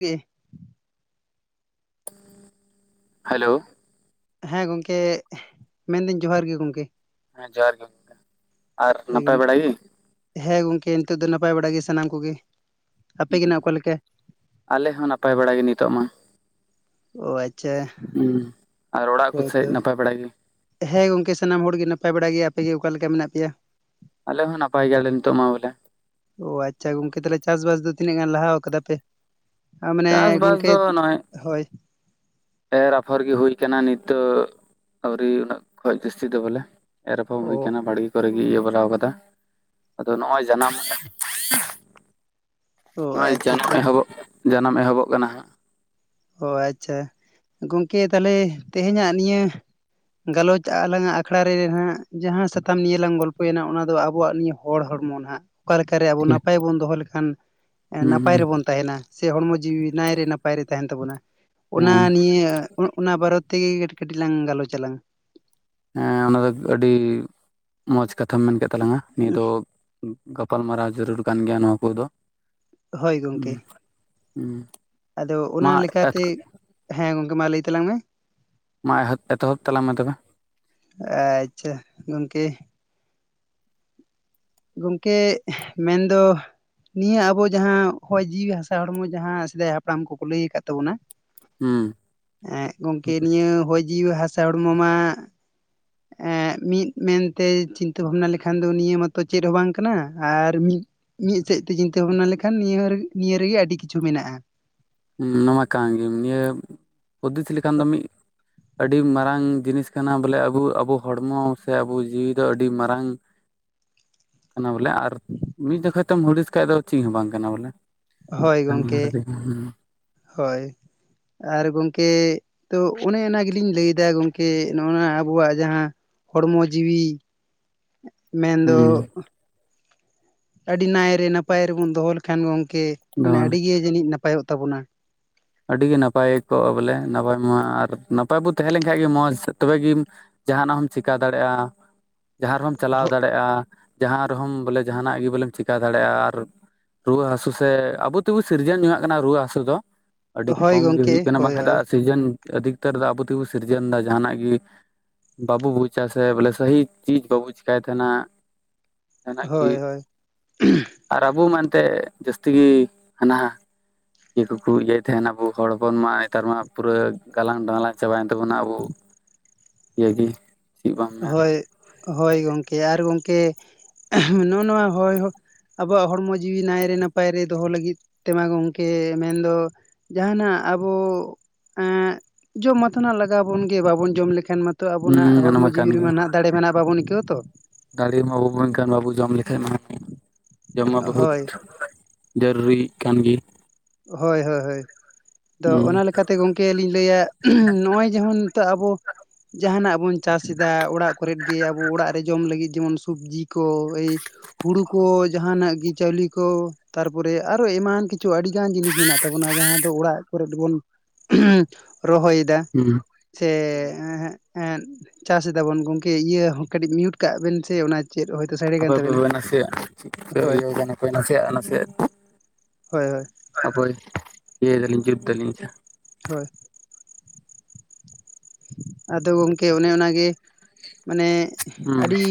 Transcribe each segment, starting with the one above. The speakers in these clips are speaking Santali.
ᱠᱮ ᱦᱮᱞᱳ᱾ ᱦᱮᱸ ᱜᱚᱝᱠᱮ ᱢᱮᱱᱫᱟᱹᱧ ᱡᱚᱦᱟᱨ ᱜᱮ ᱜᱚᱢᱠᱮ᱾ ᱦᱮᱸ ᱡᱚᱦᱟᱨ ᱜᱮ ᱜᱚᱝᱠᱮ, ᱟᱨ ᱦᱳᱭ ᱱᱟᱯᱟᱭ ᱵᱟᱲᱟ ᱜᱤ? ᱦᱮᱸ ᱜᱚᱝᱠᱮ ᱱᱤᱛᱚᱜ ᱫᱚ ᱱᱟᱯᱟᱭ ᱵᱟᱲᱟ ᱜᱮ ᱥᱟᱱᱟᱢ ᱠᱩᱜᱮ᱾ ᱟᱯᱮ ᱜᱮ ᱱᱟᱜ ᱚᱠᱟ ᱞᱮᱠᱟ? ᱟᱞᱮ ᱦᱚᱸ ᱱᱟᱯᱟᱭ ᱵᱟᱲᱟ ᱜᱮ ᱱᱤᱛᱚᱜ ᱢᱟ᱾ ᱚ ᱟᱪᱪᱷᱟ᱾ ᱦᱩᱸ, ᱟᱨ ᱚᱲᱟᱜ ᱠᱚ ᱥᱮᱡ ᱦᱳᱭᱛᱚ ᱱᱟᱯᱟᱭ ᱵᱟᱲᱟ ᱜᱮ? ᱦᱮᱸ ᱜᱚᱝᱠᱮ ᱥᱟᱱᱟᱢ ᱦᱚᱲ ᱜᱮ ᱱᱟᱯᱟᱭ ᱵᱟᱲᱟ ᱜᱮ᱾ ᱟᱯᱮ ᱜᱮ ᱚᱠᱟ ᱞᱮᱠᱟ ᱢᱮᱱᱟᱜ ᱯᱮᱭᱟ? ᱟᱞᱮ ᱦᱚᱸ ᱱᱟᱯᱟᱭ ᱜᱮᱭᱟ ᱞᱮ ᱱᱤᱛᱚᱜ ᱢᱟ ᱵᱚᱞᱮ᱾ ᱚ ᱟᱪᱪᱷᱟ ᱜᱚᱝᱠᱮ ᱛᱟᱦᱚᱞᱮ ᱪᱟᱥᱼᱵᱟᱥ ᱫᱚ ᱛᱤᱱᱟᱹᱜ ᱜᱟᱱ ᱞᱟᱦᱟᱣ ᱠᱟᱫᱟ ᱯᱮ? ᱟ ᱢᱟᱱᱮ ᱪᱟᱥᱵᱟᱥ ᱜᱚᱝᱠᱮ, ᱫᱚ ᱱᱚᱜᱼᱚᱭ ᱦᱳᱭ᱾ ᱮᱨ ᱟᱯᱷᱚᱨ ᱜᱮ ᱦᱩᱭ ᱠᱟᱱᱟ ᱱᱤᱛᱚᱜ ᱟᱣᱨᱤ ᱩᱱᱟᱹᱜ ᱠᱷᱚᱡ ᱡᱟᱹᱥᱛᱤ ᱫᱚ ᱵᱚᱞᱮ᱾ ᱮᱨ ᱟᱯᱷᱚᱢ ᱚ ᱦᱩᱭ ᱠᱟᱱᱟ ᱵᱟᱲ ᱜᱮ ᱠᱚᱨᱮ ᱜᱮ ᱤᱭᱟᱹ ᱵᱟᱲᱟᱣ ᱠᱟᱫᱟ᱾ ᱟᱫᱚ ᱱᱚᱜᱼᱚᱭ ᱡᱟᱱᱟᱢ ᱚ ᱱᱚᱜᱼᱚᱭ ᱟᱪᱪᱷᱟ ᱡᱟᱱᱟᱢ ᱟᱪᱪᱷᱟ ᱮᱦᱚᱵᱚᱜ ᱡᱟᱱᱟᱢ ᱮᱦᱚᱵᱚᱜ ᱠᱟᱱᱟ ᱦᱟᱸᱜ᱾ ᱚ ᱟᱪᱪᱷᱟ ᱜᱚᱝᱠᱮ ᱛᱟᱦᱚᱞᱮ ᱛᱮᱦᱮᱧᱟᱜ ᱱᱤᱭᱟᱹ ᱜᱟᱞᱚᱪ ᱟᱞᱟᱝᱟᱜ ᱟᱠᱷᱲᱟ ᱨᱮ ᱡᱟᱦᱟᱜ ᱡᱟᱦᱟᱸ ᱥᱟᱛᱟᱢ ᱱᱤᱭᱟᱹ ᱞᱟᱝ ᱜᱚᱞᱯᱚᱭᱮᱱᱟ ᱚᱱᱟ ᱫᱚ ᱟᱵᱚᱣᱟᱜ ᱱᱤᱭᱟᱹ ᱦᱚᱲ ᱦᱚᱲᱢᱚ ᱱᱟᱦᱟᱜ ᱚᱠᱟ ᱞᱮᱠᱟᱨᱮ ᱟᱵᱚ ᱴᱷᱤᱠ ᱱᱟᱯᱟᱭ ᱵᱚᱱ ᱫᱚᱦᱚ ᱞᱮᱠᱷᱟᱱ ᱦᱩᱸ ᱱᱟᱯᱟᱭ ᱨᱮᱵᱚᱱ ᱛᱟᱦᱮᱱᱟ ᱥᱮ ᱦᱚᱲᱢᱚ ᱡᱤᱣᱤ ᱱᱟᱭᱨᱮ ᱱᱟᱯᱟᱭ ᱨᱮ ᱛᱟᱦᱮᱱ ᱛᱟᱵᱚᱱᱟ ᱚᱱᱟ ᱦᱮᱸ ᱱᱤᱭᱟᱹ ᱚᱱᱟ ᱵᱟᱨᱚᱛ ᱛᱮᱜᱮ ᱠᱟᱹᱴᱤᱡ ᱠᱟᱹᱴᱤᱡ ᱞᱟᱝ ᱜᱟᱞᱚᱪᱟᱞᱟᱝ ᱦᱮᱸ ᱚᱱᱟ ᱫᱚ ᱟᱹᱰᱤ ᱢᱚᱡᱽ ᱠᱟᱛᱷᱟᱢ ᱢᱮᱱ ᱠᱮᱫ ᱛᱟᱞᱟᱝᱟ ᱱᱤᱭᱟᱹ ᱫᱚ ᱜᱟᱯᱟᱞᱢᱟᱨᱟᱣ ᱡᱚᱹᱨᱩᱨ ᱠᱟᱱ ᱜᱮᱭᱟ ᱱᱚᱣᱟ ᱠᱚᱫᱚ ᱦᱳᱭ ᱦᱩᱸ ᱜᱚᱝᱠᱮ ᱦᱩᱸ ᱟᱫᱚ ᱚᱱᱟ ᱢᱟ ᱞᱮᱠᱟᱛᱮ ᱦᱮᱸ ᱜᱚᱝᱠᱮ ᱢᱟ ᱞᱟᱹᱭ ᱛᱟᱞᱟᱝ ᱢᱮ᱾ ᱢᱟ ᱮᱦᱚᱵ ᱮᱛᱚᱦᱚᱵ ᱛᱟᱞᱟᱝ ᱢᱮ ᱛᱚᱵᱮ᱾ ᱟᱪᱪᱷᱟ ᱜᱚᱝᱠᱮ᱾ ᱜᱚᱝᱠᱮ ᱢᱮᱱᱫᱚ ᱱᱤᱭᱟᱹ ᱟᱵᱚ ᱡᱟᱦᱟᱸ ᱦᱚᱭ ᱡᱤᱣᱤ ᱦᱟᱥᱟ ᱦᱚᱲᱢᱚ ᱡᱟᱦᱟᱸ ᱥᱮᱫᱟᱭ ᱦᱟᱯᱲᱟᱢ ᱠᱚᱠᱚ ᱞᱟᱹᱭ ᱟᱠᱟᱫ ᱛᱟᱵᱚᱱᱟ ᱦᱩᱸ ᱦᱮᱸ ᱜᱚᱝᱠᱮ ᱱᱤᱭᱟᱹ ᱦᱚᱭ ᱡᱤᱣᱤ ᱦᱟᱥᱟ ᱦᱚᱲᱢᱚ ᱢᱟ᱾ ᱮᱸᱜ ᱢᱤᱫ ᱢᱮᱱᱛᱮ ᱪᱤᱱᱛᱟᱹ ᱵᱷᱟᱵᱱᱟ ᱞᱮᱠᱷᱟᱱ ᱫᱚ ᱱᱤᱭᱟᱹ ᱢᱟ ᱛᱚ ᱪᱮᱫ ᱦᱚᱸ ᱵᱟᱝ ᱠᱟᱱᱟ ᱟᱨ ᱢᱤᱫ ᱢᱤᱫ ᱥᱮᱫ ᱛᱮ ᱪᱤᱱᱛᱟᱹ ᱵᱷᱟᱵᱽᱱᱟ ᱞᱮᱠᱷᱟᱱ ᱱᱤᱭᱟᱹ ᱨ ᱱᱤᱭᱟᱹ ᱨᱮᱜᱮ ᱟᱹᱰᱤ ᱠᱤᱪᱷᱩ ᱢᱮᱱᱟᱜᱼᱟ᱾ ᱦ ᱱᱚᱶᱟ ᱠᱟᱱ ᱜᱮ ᱱᱤᱭᱟᱹ ᱯᱚᱫᱫᱷᱚᱛᱤ ᱞᱮᱠᱷᱟᱱ ᱫᱚ ᱢᱤᱫ ᱟᱹᱰᱤ ᱢᱟᱨᱟᱝ ᱡᱤᱱᱤᱥ ᱠᱟᱱᱟ ᱵᱚᱞᱮ ᱟᱵᱚ ᱟᱵᱚ ᱦᱚᱲᱢᱚ ᱥᱮ ᱟᱵᱚ ᱡᱤᱣᱤ ᱫᱚ ᱟᱹᱰᱤ ᱢᱟᱨᱟᱝ [unintelligible] ᱠᱟᱱᱟ ᱵᱚᱞᱮ ᱟᱨ ᱢᱤᱫ ᱡᱚᱠᱷᱚᱡ ᱛᱚᱢ ᱦᱩᱫᱤᱥ ᱠᱷᱟᱡ ᱫᱚ ᱪᱮᱫ ᱦᱚᱸ ᱵᱟᱝ ᱠᱟᱱᱟ ᱵᱚᱞᱮ᱾ ᱦᱳᱭ ᱜᱚᱝᱠᱮ ᱦᱳᱭ ᱟᱨ ᱜᱚᱝᱠᱮ᱾ ᱛᱚ ᱚᱱᱮ ᱚᱱᱟ ᱜᱮᱞᱤᱧ ᱞᱟᱹᱭᱫᱟ ᱜᱚᱝᱠᱮ ᱱᱚᱜᱼ ᱱᱚᱣᱟ ᱟᱵᱚᱣᱟᱜ ᱡᱟᱦᱟᱸ ᱦᱚᱲᱢᱚ ᱡᱤᱣᱤ ᱢᱮᱱᱫᱚ᱾ ᱦᱩᱸ ᱟᱹᱰᱤ ᱱᱟᱭᱨᱮ ᱱᱟᱯᱟᱭ ᱨᱮᱵᱚᱱ ᱫᱚᱦᱚ ᱞᱮᱠᱷᱟᱱ ᱜᱚᱝᱠᱮ ᱢᱟᱱᱮ ᱫᱚᱦᱚ ᱟᱹᱰᱤ ᱜᱮ ᱡᱟᱹᱱᱤᱡ ᱱᱟᱯᱟᱭᱚᱜ ᱛᱟᱵᱚᱱᱟ᱾ ᱟᱹᱰᱤᱜᱮ ᱱᱟᱯᱟᱭ ᱠᱚᱜ ᱵᱚᱞᱮ ᱱᱟᱯᱟᱭ ᱢᱟ ᱟᱨ ᱱᱟᱯᱟᱭ ᱵᱚ ᱛᱟᱦᱮᱸ ᱞᱮᱱ ᱠᱷᱟᱱᱡ ᱜᱮ ᱢᱚᱸᱡᱽ ᱛᱚᱵᱮᱜᱮ ᱡᱟᱦᱟᱱᱟᱜ ᱦᱚᱢ ᱪᱤᱠᱟ ᱫᱟᱲᱮᱭᱟᱜᱼᱟ ᱡᱟᱦᱟᱸ ᱨᱮᱦᱚᱢ ᱪᱟᱞᱟᱣ ᱫᱟᱲᱮᱼᱟ᱾ ᱡᱟᱦᱟᱸ ᱨᱮᱦᱚᱸᱚᱢ ᱵᱚᱞᱮ ᱡᱟᱦᱟᱱᱟᱜ ᱜᱮ ᱵᱚᱞᱮᱢ ᱪᱤᱠᱠᱟᱹ ᱫᱟᱲᱮᱭᱟᱜᱼᱟ ᱟᱨ ᱨᱩᱣᱟᱹ ᱦᱟᱹᱥᱳ ᱥᱮ ᱟᱵᱚ ᱛᱮᱵᱚ ᱥᱤᱨᱡᱚᱱ ᱟᱜ ᱠᱟᱱᱟ ᱨᱩᱣᱟᱹ ᱦᱟᱹᱥᱩ ᱫᱚ᱾ ᱟᱹᱰᱤ ᱦᱳᱭ ᱠᱚᱢ ᱜᱮ ᱜᱚᱝᱠᱮ ᱦᱩᱭᱩᱜ ᱠᱟᱱᱟ ᱦᱳᱭ ᱵᱟᱝᱠᱟᱱ ᱫᱚ ᱦᱳᱭ ᱥᱤᱨᱡᱚᱱ ᱟᱹᱫᱷᱤᱠᱛᱟᱹᱨ ᱫᱚ ᱟᱵᱚ ᱛᱮᱵᱚᱱ ᱥᱤᱨᱡᱚᱱ ᱫᱟ ᱡᱟᱦᱟᱸᱱᱟᱜ ᱜᱮ᱾ ᱵᱟᱵᱩ ᱵᱩᱡᱟ ᱥᱮ ᱵᱚᱞᱮ ᱥᱟᱦᱤ ᱪᱤᱡᱽ ᱵᱟᱵᱩ ᱪᱤᱠᱟᱭ ᱛᱟᱦᱮᱱᱟ᱾ ᱡᱟᱦᱟᱸ ᱱᱟᱜ ᱜᱤ᱾ ᱦᱳᱭ ᱦᱳᱭ ᱟᱨ ᱟᱵᱚ ᱢᱮᱱ ᱛᱮ ᱡᱟᱹᱥᱛᱤ ᱜᱮ ᱦᱟᱱᱟ ᱤᱭᱟᱹ ᱠᱳᱠᱳ ᱤᱭᱟᱹ᱾ ᱛᱟᱦᱮᱱ ᱟᱵᱚ ᱦᱚᱲ ᱦᱚᱯᱚᱱ ᱢᱟ ᱱᱮᱛᱟᱨ ᱢᱟ ᱯᱩᱨᱟᱹ ᱜᱟᱞᱟᱝ ᱰᱟᱞᱟᱝ ᱪᱟᱵᱟᱭᱮᱱ ᱛᱟᱵᱚᱱᱟ ᱟᱵᱚ ᱭᱟᱹᱦᱤ᱾ ᱦᱳᱭ ᱦᱳᱭ ᱜᱚᱝᱠᱮ ᱟᱨ ᱜᱚᱝᱠᱮ ᱱᱚᱜᱼᱚ ᱱᱚᱣᱟ ᱦᱚᱭ ᱦᱚᱸ ᱟᱵᱚᱣᱟᱜ ᱦᱚᱲᱢᱚ ᱡᱤᱣᱤ ᱱᱟᱭᱨᱮ ᱱᱟᱯᱟᱭ ᱨᱮ ᱫᱚᱦᱚ ᱞᱟᱹᱜᱤᱫ ᱛᱮᱢᱟ ᱜᱚᱝᱠᱮ ᱢᱮᱱᱫᱚ ᱡᱟᱦᱟᱸᱱᱟᱜ ᱟᱵᱚ ᱡᱚᱢ ᱢᱟᱛᱚ ᱞᱟᱜᱟᱣ ᱵᱚᱱ ᱜᱮ ᱵᱟᱵᱚᱱ ᱡᱚᱢ ᱞᱮᱠᱷᱟᱱ ᱢᱟ ᱛᱚ ᱟᱵᱚᱱᱟᱜ ᱦᱩᱸ ᱚᱱᱟ ᱦᱚᱲᱢᱚ ᱢᱟ ᱠᱟᱱ ᱡᱤᱣᱤ ᱨᱮᱢᱟ ᱱᱟᱦᱟᱸᱜ ᱫᱟᱲᱮ ᱢᱮᱱᱟᱜᱼᱟ ᱵᱟᱵᱚᱱ ᱟᱹᱭᱠᱟᱹᱣᱟ ᱛᱚ? ᱫᱟᱨᱮ ᱢᱟ ᱵᱟᱵᱚᱱ ᱢᱮᱱᱠᱷᱟᱱ ᱵᱟᱵᱚᱱ ᱡᱚᱢ ᱞᱮᱠᱷᱟᱱ ᱢᱟ ᱡᱚᱢ ᱢᱟ ᱵᱚᱦᱩᱛ ᱦᱳᱭ ᱡᱟᱹᱨᱩᱨᱤ ᱠᱟᱱ ᱜᱮᱭᱟ ᱾ ᱦᱳᱭ ᱦᱳᱭ ᱦᱳᱭ ᱟᱫᱚ ᱚᱱᱟ ᱦᱩᱸ ᱞᱮᱠᱟᱛᱮ ᱜᱚᱝ ᱠᱮ ᱞᱤᱧ ᱞᱟᱹᱭᱟ ᱱᱚᱜᱼᱚᱭ ᱡᱮᱢᱚᱱ ᱱᱤᱛᱚᱜ ᱟᱵᱚ ᱡᱟᱦᱟᱸᱱᱟᱜ ᱵᱚᱱ ᱪᱟᱥ ᱫᱟ ᱚᱲᱟᱜ ᱠᱚᱨᱮᱫ ᱜᱮ ᱟᱵᱚ ᱚᱲᱟᱜ ᱨᱮ ᱡᱚᱢ ᱞᱟᱹᱜᱤᱫ ᱡᱮᱢᱚᱱ ᱥᱚᱵᱽᱡᱤ ᱠᱚ ᱮᱭ ᱦᱩᱲᱩ ᱠᱚ ᱡᱟᱦᱟᱸᱱᱟᱜ ᱜᱤ ᱪᱟᱣᱞᱮ ᱠᱚ ᱛᱟᱨᱯᱚᱨᱮ ᱟᱨᱚ ᱮᱢᱟᱱ ᱠᱤᱪᱷᱩ ᱟᱹᱰᱤ ᱜᱟᱱ ᱡᱤᱱᱤᱥ ᱢᱮᱱᱟᱜ ᱛᱟᱵᱚᱱᱟ ᱡᱟᱦᱟᱸ ᱫᱚ ᱚᱲᱟᱜ ᱠᱚᱨᱮ ᱵᱚᱱ ᱩᱸᱦᱩᱸᱻ ᱨᱚᱦᱚᱭᱮᱫᱟ᱾ ᱦᱩᱸ ᱥᱮ ᱪᱟᱥ ᱫᱟᱵᱚᱱ ᱜᱚᱝᱠᱮ ᱤᱭᱟᱹ ᱦᱚᱸ ᱠᱟᱹᱴᱤᱡ ᱢᱤᱭᱩᱴ ᱠᱟᱜ ᱵᱮᱱ ᱥᱮ ᱚᱱᱟ᱾ ᱪᱮᱫ ᱦᱳᱭ ᱛᱳ ᱥᱮ ᱠᱟᱱ ᱟᱯᱮ ᱯᱮ ᱛᱟᱵᱮᱱᱟ ᱯᱮᱵᱮᱱᱟ ᱥᱮ, ᱪᱮᱫ ᱯᱮ ᱤᱭᱟᱹ ᱠᱟᱱᱮ ᱠᱚ ᱱᱟᱥᱮᱭᱟᱜ ᱱᱟᱥᱮᱭᱟᱜ, ᱦᱳᱭ ᱦᱳᱭ! ᱚᱠᱚᱭ! ᱤᱭᱟᱹ ᱛᱟᱹᱞᱤᱧ ᱜᱤᱯᱴ ᱛᱟᱹᱞᱤᱧ ᱪᱮᱭᱟ? ᱦᱳᱭ [inaudible] ᱟᱫᱚ ᱜᱚᱝᱠᱮ ᱚᱱᱮ ᱚᱱᱟᱜᱮ ᱢᱟᱱᱮᱜ ᱦᱩᱸ ᱟᱹᱰᱤ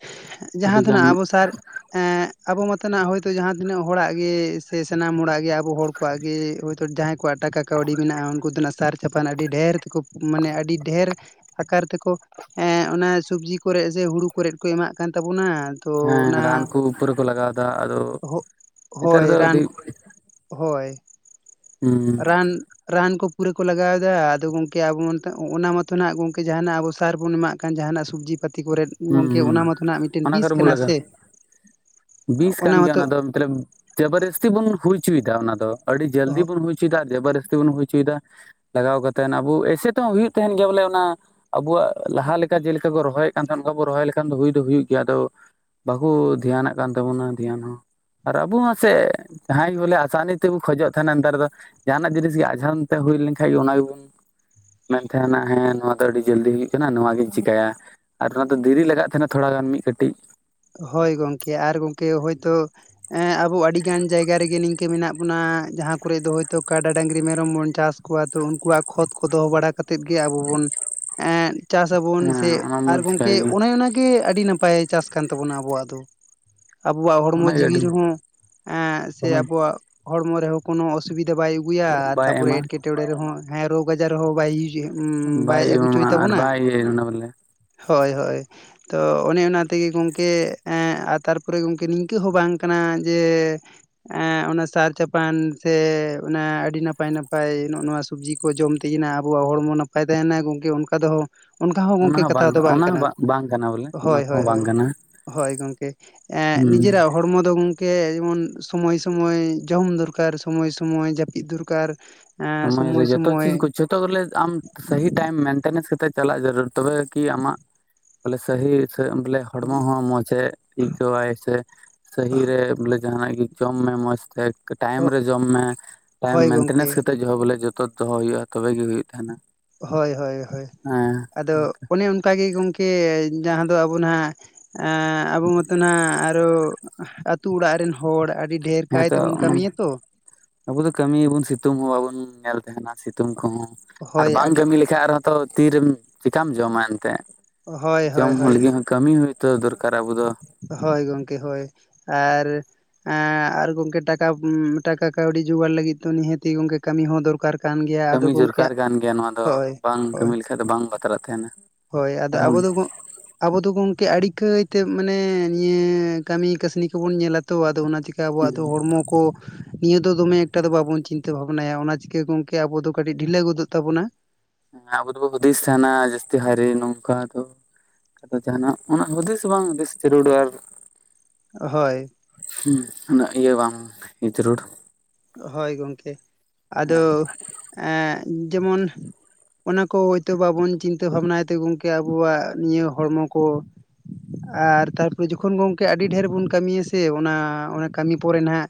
ᱦᱮᱸᱜ ᱡᱟᱦᱟᱸ ᱟᱹᱰᱤᱜᱟᱱ ᱫᱷᱚᱱᱟᱹᱜ ᱟᱵᱚ ᱥᱟᱨ, ᱮᱸᱜ ᱟᱵᱚ ᱢᱟᱛᱚᱱᱟᱜ ᱦᱚᱭᱛᱚ ᱡᱟᱦᱟᱸ ᱛᱤᱱᱟᱹᱜ ᱦᱚᱲᱟᱜ ᱜᱮ ᱥᱮ ᱥᱟᱱᱟᱢ ᱦᱚᱲᱟᱜ ᱜᱮ ᱟᱵᱚ ᱦᱚᱲ ᱠᱚᱣᱟᱜ ᱜᱮ ᱦᱚᱭᱛᱳ ᱡᱟᱦᱟᱸᱭ ᱠᱚᱣᱟᱜ ᱴᱟᱠᱟ ᱠᱟᱹᱣᱰᱤ ᱢᱮᱱᱟᱜᱼᱟ, ᱩᱱᱠᱩ ᱫᱚᱱᱟᱜ ᱥᱟᱨ ᱪᱟᱯᱟᱱ ᱟᱹᱰᱤ ᱰᱮᱦᱮᱨ ᱛᱮᱠᱩᱠ ᱢᱟᱱᱮ ᱟᱹᱰᱤ ᱰᱮᱦᱮᱨ ᱟᱠᱟᱨ ᱛᱮᱠᱚ ᱮᱻ ᱚᱱᱟ ᱥᱩᱵᱽᱡᱤ ᱠᱚᱨᱮᱜ ᱥᱮ ᱦᱩᱲᱩ ᱠᱚᱨᱮᱫ ᱠᱚ ᱮᱢᱟᱫ ᱠᱟᱝ ᱛᱟᱵᱚᱱᱟ᱾ ᱛᱚ ᱦᱮᱸ ᱨᱟᱱ ᱚᱱᱟ ᱠᱚ ᱯᱩᱨᱟᱹ ᱠᱚ ᱞᱟᱜᱟᱣ ᱮᱫᱟ ᱟᱫᱚ ᱦᱳᱜ ᱱᱮᱛᱟᱨ ᱦᱳᱭ ᱫᱚ ᱨᱟᱱ ᱟᱹᱰᱤᱡ ᱦᱳᱭ! ᱦᱩᱸ ᱨᱟᱱ ᱨᱟᱱ ᱠᱚ ᱯᱩᱨᱟᱹ ᱠᱚ ᱞᱟᱜᱟᱣᱮᱫᱟ, ᱟᱫᱚ ᱜᱚᱝᱠᱮ ᱟᱵᱚᱢᱟ ᱱᱤᱛᱚᱜ ᱚᱱᱟ ᱢᱟᱛᱚ ᱡᱟᱦᱟᱸᱱᱟᱜ ᱜᱚᱝᱠᱮ ᱡᱟᱦᱟᱸᱱᱟᱜ ᱟᱵᱚ ᱥᱟᱨ ᱵᱚ ᱮᱢᱟᱫ ᱠᱟᱱ ᱡᱟᱦᱟᱸᱱᱟᱜ ᱥᱩᱵᱽᱡᱤ ᱯᱟᱹᱛᱤ ᱠᱚᱨᱮᱫ ᱦᱩᱸ ᱜᱚᱝᱠᱮ ᱚᱱᱟ ᱦᱩᱸ ᱢᱟᱛᱚᱱᱟᱜ ᱢᱤᱫᱴᱮᱱ ᱚᱱᱟ ᱵᱤᱥ ᱠᱚᱨᱮ ᱵᱚ ᱠᱟᱱᱟ ᱞᱟᱜᱟ ᱥᱮ, ᱚᱱᱟ ᱢᱟᱛᱚᱜ ᱛᱟᱞᱚᱵ ᱡᱟᱵᱟᱨ ᱡᱟᱹᱥᱛᱤ ᱵᱳᱱ ᱦᱩᱭ ᱪᱚᱭ ᱮᱫᱟ ᱚᱱᱟ ᱫᱚ, ᱟᱹᱰᱤ ᱡᱟᱹᱞᱫᱤ ᱵᱳᱱ ᱦᱩᱭ ᱪᱮᱫᱟᱜ ᱡᱟᱵᱚᱨ ᱡᱟᱹᱥᱛᱤ ᱵᱚᱱ ᱦᱩᱭ ᱚᱪᱚᱭᱮᱫᱟ, ᱞᱟᱜᱟᱣ ᱠᱟᱛᱮᱱ ᱟᱹᱵᱩ ᱟᱭᱥᱮ ᱛᱮᱦᱚᱸ ᱦᱩᱜᱩᱜ ᱛᱟᱦᱮᱸᱱ ᱜᱮᱭᱟ ᱚᱱᱟ᱾ ᱟᱵᱚᱣᱟᱜ ᱞᱟᱦᱟ ᱞᱮᱠᱟ ᱡᱮᱞᱮᱠᱟ ᱠᱚ ᱨᱚᱦᱚᱭᱮᱫ ᱠᱟᱱ ᱛᱟᱦᱮᱸᱱ, ᱚᱱᱠᱟ ᱵᱚᱱ ᱨᱚᱦᱚᱭ ᱞᱮᱠᱷᱟᱱ ᱫᱚ ᱦᱩᱭ ᱫᱚ ᱦᱩᱭᱩᱜ ᱜᱮᱭᱟ ᱟᱫᱚ ᱵᱟᱹᱠᱳ ᱫᱷᱮᱭᱟᱱᱟᱜ ᱠᱟᱱ ᱛᱟᱵᱚᱱᱟ ᱫᱷᱮᱭᱟᱱ ᱦᱚᱸ᱾ ᱟᱨ ᱟᱹᱵᱩ ᱢᱟᱥᱮ ᱡᱟᱦᱟᱸᱭ ᱜᱮ ᱵᱚᱞᱮ ᱟᱥᱟᱱᱤ ᱛᱮᱵᱩ ᱠᱷᱚᱡᱚᱜ ᱛᱟᱦᱮᱸᱱᱟ ᱱᱮᱛᱟᱨ ᱫᱚ ᱡᱟᱦᱟᱸᱱᱟᱜ ᱡᱤᱱᱤᱥ ᱜᱮ ᱟᱡᱷᱽᱨᱳᱱ ᱛᱮ ᱦᱩᱭ ᱞᱮᱸᱠᱷᱟᱡ ᱜᱮ ᱚᱱᱟ ᱜᱮᱵᱩᱱ ᱢᱮᱱ ᱠᱷᱟᱱ, ᱦᱮᱸ ᱱᱚᱣᱟ ᱫᱚ ᱟᱹᱰᱤ ᱡᱟᱹᱞᱫᱤ ᱦᱩᱭᱩᱜ ᱠᱟᱱᱟ ᱱᱚᱣᱟᱜᱤᱧ ᱪᱮᱠᱟᱭᱟ᱾ ᱟᱨ ᱱᱳᱣᱟ ᱫᱚ ᱫᱷᱤᱨᱤ ᱞᱟᱜᱟᱜ ᱛᱟᱦᱮᱸᱱᱟ ᱛᱷᱚᱲᱟ ᱜᱟᱱ ᱢᱤᱫ ᱠᱟᱹᱴᱤᱡ ᱦᱳᱭ ᱜᱚᱝᱠᱮ ᱟᱨ ᱜᱚᱝᱠᱮ ᱦᱳᱭ ᱛᱳ ᱮᱸ ᱟᱵᱚ ᱟᱹᱰᱤᱜᱟᱱ ᱡᱟᱭᱜᱟ ᱨᱮᱜᱮ ᱱᱤᱝᱠᱟᱹ ᱢᱮᱱᱟᱜ ᱵᱚᱱᱟ ᱡᱟᱦᱟᱸ ᱠᱚᱨᱮ ᱫᱚ ᱦᱳᱭᱛᱚ ᱠᱟᱰᱟ, ᱰᱟᱺᱜᱽᱨᱤ, ᱢᱮᱨᱚᱢ ᱵᱚᱱ ᱪᱟᱥ ᱠᱩᱣᱟᱫ, ᱛᱚ ᱩᱱᱠᱩᱣᱟᱜ ᱠᱷᱚᱛ ᱠᱚᱫᱚ ᱵᱟᱲᱟᱭ ᱠᱟᱛᱮᱫ ᱜᱮ ᱟᱵᱚ ᱵᱚᱱ ᱮᱸᱫ- ᱪᱟᱥ ᱟᱵᱚᱱ ᱦᱮᱸ ᱥᱮ ᱚᱱᱟ ᱟᱨ ᱵᱚᱱ ᱪᱤᱠᱟᱹᱭ ᱜᱚᱝᱠᱮ ᱜᱮᱭᱟ ᱚᱱᱮ ᱚᱱᱟᱜᱮ ᱟᱹᱰᱤ ᱱᱟᱯᱟᱭ ᱪᱟᱥ ᱠᱟᱱ ᱛᱟᱵᱚᱱᱟ ᱟᱵᱚᱣᱟᱜ ᱫᱚ᱾ ᱟᱵᱚᱣᱟᱜ ᱦᱚᱲᱢᱚ ᱚᱱᱟᱜᱮ ᱡᱤᱣᱤ ᱟᱹᱰᱤ ᱨᱮᱦᱚᱸ ᱮᱸ ᱥᱮ ᱢᱚᱡᱽ ᱟᱵᱚᱣᱟᱜ ᱦᱚᱲᱢᱚ ᱨᱮᱦᱚ ᱠᱳᱱᱚ ᱚᱥᱩᱵᱤᱫᱟ ᱵᱟᱭ ᱟᱹᱜᱩᱭᱟ ᱟᱨ ᱵᱟᱭ ᱛᱟᱯᱚᱨᱮ ᱮᱢᱟ ᱮᱴᱠᱮᱴᱚᱬᱮ ᱨᱮᱦᱚᱸ ᱦᱮᱸ ᱨᱳᱜᱽ ᱟᱡᱟᱨ ᱦᱚ ᱵᱟ ᱭᱩᱡ- ᱜᱮ ᱵᱟᱭ ᱟᱹᱜᱩ ᱪᱚᱭ ᱮᱢᱟᱢᱟ ᱟᱨ ᱛᱟᱵᱚᱱᱟ, ᱵᱟᱭ ᱤᱭᱟᱹ ᱚᱱᱟ ᱵᱚᱞᱮ ᱦᱳᱭ ᱦᱳᱭ, ᱛᱚ ᱚᱱᱮ ᱚᱱᱟᱛ- ᱛᱮᱜᱮ ᱜᱚᱝᱠᱮ ᱮᱸ ᱟ ᱛᱟᱨᱯᱚᱨᱮ ᱜᱚᱝᱠᱮ ᱱᱤᱝᱠᱟᱹ ᱦᱚᱸ ᱵᱟᱝ ᱠᱟᱱᱟ ᱡᱮ ᱮᱸ ᱚᱱᱟ ᱥᱟᱨ ᱪᱟᱯᱟᱱ ᱥᱮ ᱚᱱᱟ ᱟᱹᱰᱤ ᱱᱟᱯᱟᱭᱼᱱᱟᱯᱟᱭ ᱱᱚᱜ ᱱᱚᱣᱟ ᱥᱩᱵᱽᱡᱤᱠ ᱠᱚ ᱡᱚᱢ ᱛᱮᱜᱤᱱᱟ ᱟᱵᱚᱣᱟᱜ ᱦᱚᱲᱢᱚ ᱱᱟᱯᱟᱭ ᱛᱟᱦᱮᱱᱟ ᱜᱚᱝᱠᱮ ᱚᱱᱠᱟ ᱫᱚᱦᱚ ᱚᱱᱠᱟ ᱦᱚᱸ ᱚᱱᱟ ᱜᱚᱝᱠᱮ ᱠᱟᱛᱷᱟ ᱫᱚ ᱵᱟᱝ ᱚᱱᱟ ᱦᱚᱸ ᱠᱟᱱᱟ, ᱵᱟᱝ ᱠᱟᱱᱟ ᱵᱚᱞᱮ ᱚᱱᱟ ᱦᱳᱭ ᱠᱚᱦᱚᱸ ᱦᱳᱭ ᱵᱟᱝ ᱦᱳᱭ᱾ ᱠᱟᱱᱟ ᱦᱳᱭ ᱜᱚᱝᱠᱮ ᱮᱸᱻ ᱦᱩᱸ ᱱᱤᱡᱮᱨᱟᱜ ᱦᱚᱲᱢᱚ ᱫᱚ ᱜᱚᱝ- ᱠᱮ ᱡᱮᱢᱚᱱ ᱥᱚᱢᱚᱭᱼᱥᱚᱢᱚᱭ ᱡᱚᱢ ᱫᱚᱨᱠᱟᱨ ᱥᱚᱢᱚᱭᱼᱥᱚᱢᱚᱭ ᱡᱟᱹᱯᱤᱫ ᱫᱚᱨᱠᱟᱨ, ᱮᱸ ᱥᱚᱢᱚᱭ ᱨᱮ ᱡᱚᱛᱚ ᱥᱚᱢᱚᱭ ᱪᱤᱡᱽ ᱠᱚ ᱡᱷᱚᱛᱚ ᱜᱚᱞᱮ ᱟᱢ ᱥᱟᱹᱦᱤᱛ ᱴᱟᱹᱭᱤᱢ ᱢᱮᱱᱴᱮᱱᱮᱥ ᱠᱟᱛᱮ ᱪᱟᱞᱟᱜ ᱡᱟᱹᱨᱩᱲ, ᱛᱚᱵᱮ ᱠᱤ ᱟᱢᱟᱜ ᱵᱚᱞᱮ ᱥᱟᱹᱦᱤ ᱥᱮ ᱵᱚᱞᱮ ᱦᱚ ᱦᱚᱲᱢᱚ ᱦᱚᱸ ᱢᱚᱡᱽ ᱮ ᱟᱹᱭᱠᱟᱹᱣᱟᱭ ᱥᱮ ᱥᱟᱹᱦᱤ ᱨᱮ ᱵᱚᱞᱮ ᱡᱟᱦᱟᱸᱱᱟᱜ ᱜᱮ ᱡᱚᱢ ᱢᱮ ᱢᱚᱸᱡᱽ ᱛᱮ, ᱠᱮ ᱴᱟᱭᱤᱢ ᱨᱮ ᱡᱚᱢ ᱢᱮ ᱴᱟᱭᱤᱢ ᱦᱳᱭ ᱜᱚᱢᱠᱮ ᱢᱮᱱᱴᱮᱱᱮᱥ ᱠᱟᱛᱮᱜ ᱡᱚᱦᱚᱜ ᱵᱚᱞᱮ ᱡᱚᱛᱚᱛ ᱫᱚᱦᱚ ᱦᱩᱭᱩᱜᱼᱟ, ᱛᱚᱵᱮ ᱜᱮ ᱦᱩᱭᱩᱜ ᱛᱟᱦᱮᱸᱱᱟ᱾ ᱦᱳᱭ ᱦᱳᱭ ᱦᱳᱭ! ᱟᱫᱚ ᱚᱱᱮ ᱚᱱᱠᱟ ᱜᱮ ᱜᱚᱝᱠᱮ ᱡᱟᱦᱟᱸ ᱫᱚ ᱟᱵᱚ ᱱᱟᱜ ᱮᱸᱻᱟᱹᱵᱩ ᱢᱟᱛᱚ ᱱᱟᱜ ᱟᱨᱚ ᱟᱹᱛᱩ ᱚᱲᱟᱜ ᱨᱤᱱ ᱦᱚᱲ ᱟᱹᱰ- ᱦᱮᱸᱛᱚ ᱚᱢᱚᱱ- ᱟᱵᱚ ᱫᱚ ᱠᱟᱹᱢᱤᱭᱟᱵᱚᱱ ᱥᱤᱛᱩᱝ ᱦᱚᱸ ᱵᱟᱵᱚᱱ ᱧᱮᱞ ᱛᱟᱦᱮᱱᱟ ᱥᱤᱛᱩᱝ ᱠᱚᱦᱚᱸ᱾ ᱟᱨ ᱦᱳᱭ ᱵᱟᱝ ᱟᱹᱰᱤ ᱠᱟᱹᱢᱤ ᱞᱮᱠᱷᱟᱜ ᱟᱨᱦᱚᱸ ᱛᱟᱨ ᱛᱤᱨᱮᱢ ᱪᱤᱠᱟᱢ ᱡᱚᱻᱢᱟ ᱮᱱᱛᱮᱜ᱾ ᱦᱳᱭ ᱡᱚᱢ ᱦᱳᱭ ᱦᱩᱭ ᱦᱳᱭ ᱞᱮᱢ ᱠᱟᱹᱢᱤ ᱦᱳᱭᱛᱚ ᱫᱚᱨᱠᱟᱨᱼᱟ, ᱟᱵᱚ ᱫᱚ᱾ ᱦᱳᱭ ᱜᱚᱝᱠᱮ ᱦᱳᱭ, ᱟᱻᱨ ᱟᱸᱻᱟᱨ ᱜᱚᱝᱠᱮ ᱴᱟᱠᱟᱢ, ᱴᱟᱠᱟ ᱠᱟᱹᱣᱰᱤ ᱡᱩᱜᱟᱹᱲ ᱞᱟᱹᱜᱤᱫ ᱛᱚᱦᱚᱸ ᱱᱤᱦᱟᱹᱛᱤ ᱜᱚᱝᱠᱮ ᱠᱟᱹᱢᱤ ᱦᱚᱸ ᱫᱚᱨᱠᱟᱨ᱾ ᱠᱟᱱ ᱜᱮᱭᱟ ᱟᱫᱚ ᱠᱟᱹᱢᱤ ᱜᱚᱝᱠᱮ ᱡᱚᱨᱠᱟᱨ ᱠᱟᱱ ᱜᱮᱭᱟ ᱱᱚᱣᱟ ᱫᱚ, ᱦᱳᱭ ᱵᱟᱝ ᱦᱳᱭ ᱠᱟᱹᱢᱤ ᱞᱮᱠᱷᱟᱜ ᱫᱚ ᱵᱟᱝ ᱵᱟᱛᱨᱟᱜ ᱛᱟᱦᱮᱸᱱᱟ᱾ ᱦᱳᱭ ᱟᱫᱚ ᱟᱵᱚ ᱫᱚᱵᱚ ᱟᱵᱚ ᱫᱚ ᱜᱚᱢᱠᱮ ᱟᱹᱰᱤ ᱠᱟᱹᱭ ᱛᱮ ᱢᱟᱱᱮ ᱱᱤᱭᱟᱹ ᱠᱟᱹᱢᱤ ᱠᱟᱹᱥᱱᱤ ᱠᱚᱵᱚᱱ ᱧᱮᱞᱟ ᱛᱚ ᱟᱫᱚ ᱚᱱᱟ ᱪᱤᱠᱟ ᱟᱵᱚᱣᱟᱜ ᱫᱚ ᱦᱚᱲᱢᱚ ᱠᱚ ᱱᱤᱭᱟᱹ ᱫᱚ ᱫᱚᱢᱮ ᱮᱠᱴᱟ ᱫᱚ ᱵᱟᱵᱚᱱ ᱪᱤᱱᱛᱟᱹ ᱵᱷᱟᱵᱽᱱᱟᱭᱟ ᱚᱱᱟ ᱪᱤᱠᱟᱹ ᱜᱚᱝᱠᱮ ᱟᱵᱚ ᱫᱚ ᱠᱟᱹᱴᱤᱡ ᱰᱷᱤᱞᱟᱹ ᱜᱚᱫᱚᱜ ᱛᱟᱵᱚᱱᱟ ᱮᱸ ᱟᱵᱚ ᱫᱚᱵᱚ ᱦᱩᱫᱤᱥ ᱛᱟᱦᱮᱸᱱᱟ ᱡᱟᱹᱥᱛᱤ ᱦᱟᱭᱨᱮ ᱱᱚᱝᱠᱟ ᱫᱚ ᱟᱫᱚ ᱡᱟᱦᱟᱸ ᱱᱟᱜ ᱚᱱᱟ ᱦᱩᱫᱤᱥ ᱵᱟᱝ ᱦᱩᱫᱤᱥ ᱡᱟᱹᱨᱩᱲᱟ ᱦᱚᱭ ᱦᱩᱸ ᱩᱱᱟᱹᱜ ᱤᱭᱟᱹ ᱵᱟᱝ ᱡᱟᱹᱨᱩᱲ ᱦᱟᱭ ᱜᱚᱝᱠᱮ ᱟᱫᱚ ᱮᱸᱜ ᱡᱮᱢᱚᱱ ᱚᱱᱟ ᱠᱚ ᱦᱳᱭᱛᱚ ᱵᱟᱵᱚᱱ ᱪᱤᱱᱛᱟᱹ ᱵᱷᱟᱵᱽᱱᱟᱭ ᱛᱮ ᱜᱚᱝᱠᱮ ᱟᱵᱚᱣᱟᱜ ᱱᱤᱭᱟᱹ ᱦᱚᱲᱢᱚ ᱠᱚ ᱟᱨ ᱛᱟᱨᱯᱚ ᱨᱮ ᱡᱚᱠᱷᱚᱱ ᱜᱚᱝᱠᱮ ᱟᱹᱰᱤ ᱰᱷᱮᱨ ᱵᱚᱱ ᱠᱟᱹᱢᱤᱭᱟ ᱥᱮ ᱚᱱᱟ ᱚᱱᱟ ᱠᱟᱹᱢᱤ ᱯᱚᱨᱮ ᱱᱷᱟᱜ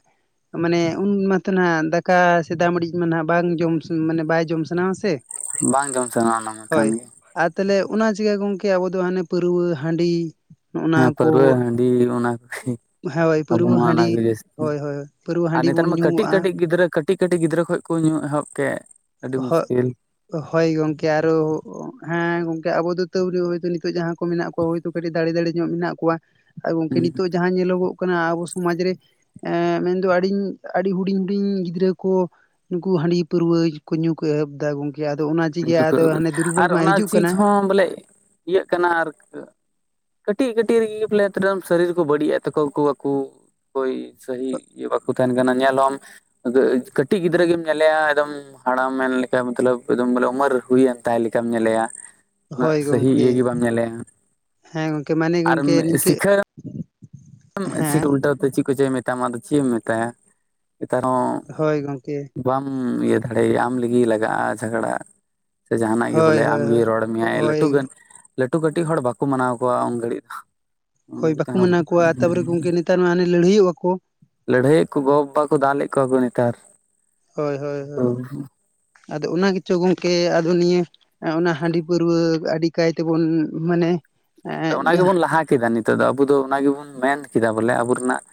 ᱢᱟᱱᱮ ᱩᱱ ᱢᱟᱛᱚ ᱱᱷᱟᱜ ᱫᱟᱠᱟ ᱥᱮ ᱫᱟᱜ ᱢᱟᱰᱤ ᱢᱟ ᱢᱟᱱᱟᱜ ᱵᱟᱝ ᱡᱚᱢ ᱢᱟᱱᱮ ᱵᱟᱭ ᱡᱚᱢ ᱥᱟᱱᱟᱣᱟ ᱥᱮ ᱵᱟᱝ ᱡᱚᱢ ᱥᱟᱱᱟᱣᱟ ᱚᱱᱟ ᱢᱟ ᱠᱟᱱ ᱦᱳᱭ ᱜᱮ, ᱟᱨ ᱛᱟᱦᱚᱞᱮ ᱚᱱᱟ ᱪᱤᱠᱟᱹ ᱜᱚᱝᱠᱮ ᱟᱵᱚ ᱫᱚ ᱦᱟᱱᱮ ᱯᱟᱹᱨᱣᱟᱹ ᱦᱟᱺᱰᱤ, ᱦᱮᱸ ᱱᱚᱜᱼᱱᱟ ᱠᱚ ᱯᱟᱹᱨᱣᱟᱹ ᱦᱟᱺᱰᱤ ᱚᱱᱟ ᱠᱚᱜᱮ ᱦᱳᱭ ᱟᱵᱚ ᱯᱟᱹᱨᱣᱟᱹ ᱢᱟ ᱚᱱᱟ ᱦᱟᱺᱰᱤ ᱠᱚᱜᱮ ᱡᱟᱹᱥᱛᱤ, ᱦᱳᱭ ᱦᱳᱭ ᱯᱟᱹᱨᱣᱟᱹ ᱟᱨ ᱦᱟᱺᱰᱤ ᱱᱮᱛᱟᱨ ᱵᱚᱱ ᱢᱟ ᱠᱟᱹᱴᱤᱡ ᱧᱩᱣᱟᱜᱼᱟ ᱠᱟᱹᱴᱤᱡ ᱜᱤᱫᱽᱨᱟᱹ ᱠᱟᱹᱴᱤᱡ ᱠᱟᱹᱴᱤᱡ ᱜᱤᱫᱽᱨᱟᱹ ᱠᱷᱚᱡ ᱠᱚ ᱧᱩ ᱮᱦᱚᱵ ᱠᱮᱫ ᱟᱹᱰᱤ ᱢᱩᱥᱠᱤᱞ [inaudible] ᱦᱚᱭ ᱜᱚᱢᱠᱮ ᱟᱨᱚ ᱦᱮᱸ ᱜᱚᱝᱠᱮ ᱟᱵᱚ ᱫᱚ ᱛᱟᱹᱣ ᱨᱮᱦᱚᱸ ᱱᱤᱛᱚᱜ ᱡᱟᱦᱟᱸ ᱠᱚ ᱢᱮᱱᱟᱜ ᱠᱚᱣᱟ ᱦᱳᱭ ᱠᱟᱹᱴᱤᱡ ᱫᱟᱲᱮ ᱫᱟᱲᱮ ᱧᱚᱜ ᱢᱮᱱᱟᱜ ᱠᱚᱣᱟ ᱜᱚᱝᱠᱮ ᱱᱤᱛᱚᱜ ᱡᱟᱦᱟᱸ ᱧᱮᱞᱚᱜᱚᱜ ᱠᱟᱱᱟ ᱟᱵᱚ ᱥᱚᱢᱟᱡ ᱨᱮ ᱮᱸ ᱢᱮᱱᱫᱚ ᱟᱹᱰᱤᱧ ᱟᱹᱰᱤ ᱦᱩᱰᱤᱧ ᱦᱩᱰᱤᱧ ᱜᱤᱫᱽᱨᱟᱹ ᱠᱚ ᱱᱩᱠᱩ ᱦᱟᱺᱰᱤ ᱯᱟᱹᱨᱣᱟᱹ ᱠᱚ ᱧᱩ ᱠᱚ ᱮᱦᱚᱵ ᱫᱟ ᱜᱚᱝᱠᱮ ᱟᱫᱚ ᱚᱱᱟ ᱪᱮᱜᱮ ᱟᱫᱚ ᱦᱟᱱᱮ ᱫᱩᱨᱵᱚᱞ ᱟᱨ ᱢᱟ ᱚᱱᱟ ᱦᱤᱡᱩᱜ ᱪᱤᱡᱽ ᱠᱟᱱᱟ ᱦᱚᱸ ᱵᱚᱞᱮ ᱤᱭᱟᱹᱜ ᱠᱟᱱᱟ ᱟᱨ ᱠᱟᱹᱴᱤᱡ ᱠᱟᱹᱴᱤᱡ ᱨᱮᱜᱮ ᱵᱚᱞᱮ ᱥᱚᱨᱤᱨ ᱠᱚ ᱵᱟᱹᱲᱤᱡ-ᱮᱫ ᱛᱚᱠᱚ ᱠᱚ ᱟᱠᱩ ᱳᱭ ᱥᱟᱹᱦᱤ ᱤᱭᱟᱹ ᱵᱟᱠᱚ ᱛᱟᱦᱮᱸᱱ ᱠᱟᱱᱟ ᱧᱮᱞ ᱦᱚᱸᱢ ᱠᱟᱹᱴᱤᱡ ᱜᱤᱫᱽᱨᱟᱹ ᱜᱮᱢ ᱧᱮᱞᱮᱭᱟ ᱮᱠᱫᱚᱢ ᱦᱟᱲᱟᱢ ᱢᱮᱱ ᱞᱮᱠᱟ ᱢᱚᱛᱞᱟᱹᱵᱽ ᱮᱠᱫᱚᱢ ᱵᱚᱞᱮ ᱩᱢᱮᱨ ᱦᱩᱭᱮᱱ ᱛᱟᱭ ᱞᱮᱠᱟᱢ ᱧᱮᱞᱮᱭᱟ, ᱩᱱᱟᱹᱜ ᱦᱳᱭ ᱥᱟᱹᱦᱤ ᱤᱭᱟᱹ ᱜᱮ ᱜᱚᱝᱠᱮ ᱵᱟᱢ ᱧᱮᱞᱮᱭᱟ ᱦᱮᱸ ᱜᱚᱝᱠᱮ ᱢᱟᱱᱮ ᱟᱨ ᱮᱢ ᱜᱚᱝᱠᱮ ᱱᱤᱝᱠᱟᱹ ᱥᱤᱠᱷᱟᱹ ᱥᱤ ᱦᱮᱸ ᱩᱞᱴᱟᱹᱣ ᱛᱮ ᱪᱮᱫ ᱠᱚ ᱪᱚᱭ ᱢᱮᱛᱟᱢᱟ ᱟᱫᱚ ᱪᱮᱫ ᱮᱢ ᱢᱮᱛᱟᱭᱟ ᱱᱮᱛᱟᱨ ᱦᱚᱸ ᱦᱳᱭ ᱜᱚᱝᱠᱮ ᱵᱟᱢ ᱤᱭᱟᱹ ᱫᱟᱲᱮᱭᱼᱟ ᱟᱢ ᱞᱟᱹᱜᱤᱫ ᱞᱟᱜᱟᱜᱼᱟ ᱡᱷᱟᱜᱽᱲᱟ ᱥᱮ ᱡᱟᱦᱟᱱᱟᱜ ᱜᱮ ᱦᱳᱭ ᱵᱚᱞᱮ ᱦᱳᱭ ᱟᱢᱜᱮ ᱦᱳᱭ ᱨᱚᱲ ᱢᱮᱭᱟᱭ ᱦᱳᱭ ᱞᱟᱹᱴᱩ ᱜᱟᱱ ᱞᱟᱹᱴᱩ ᱠᱟᱹᱴᱤᱡ ᱦᱚᱲ ᱵᱟᱠᱚ ᱢᱟᱱᱟᱣ ᱠᱚᱣᱟ ᱩᱱ ᱜᱷᱟᱹᱲᱤᱡ ᱫᱚ [inaudible] ᱟᱠᱣᱟᱜ ᱛᱟᱯᱚ ᱨᱮ ᱜᱚᱢᱠᱮ ᱱᱮᱛᱟᱨ ᱢᱟ ᱦᱟᱱᱮ ᱞᱟᱹᱲᱦᱟᱭ ᱭᱚᱜᱼᱟ ᱠᱚ, ᱞᱟᱹᱲᱦᱟᱹᱭᱮᱫ ᱠᱚ ᱜᱚ ᱵᱟᱵᱟ ᱠᱚ ᱫᱟᱞᱮᱫ ᱠᱚᱣᱟ ᱠᱚ ᱱᱮᱛᱟᱨ ᱦᱳᱭ ᱦᱳᱭ ᱦᱳᱭ ᱟᱫᱚ ᱚᱱᱟ ᱜᱮᱪᱚ ᱜᱚᱢᱠᱮ ᱟᱫᱚ ᱱᱤᱭᱟᱹ ᱚᱱᱟ ᱦᱟᱺᱰᱤ ᱯᱟᱹᱨᱣᱟᱹ ᱟᱹᱰᱤ ᱠᱟᱭ ᱛᱮᱵᱚᱱ ᱢᱟᱱᱮ, ᱵᱚᱞᱮ ᱚᱱᱟ ᱜᱮᱵᱚᱱ ᱞᱟᱦᱟ ᱠᱮᱫᱟ ᱱᱤᱛᱚᱜ ᱫᱚ ᱟᱵᱚ ᱫᱚ ᱚᱱᱟ ᱜᱮᱵᱚᱱ ᱢᱮᱱ ᱠᱮᱫᱟ ᱵᱚᱞᱮ ᱟᱵᱚ ᱨᱮᱱᱟᱜ,